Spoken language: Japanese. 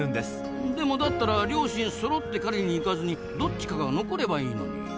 でもだったら両親そろって狩りに行かずにどっちかが残ればいいのに。